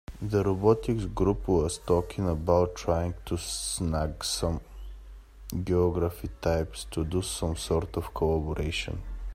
The robotics group was talking about trying to snag some geography types to do some sort of collaboration.